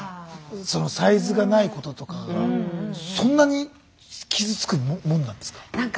サイズがないこととかがそんなに傷つくもんなんですか？